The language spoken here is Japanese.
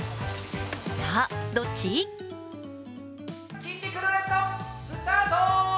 筋肉ルーレットスタート！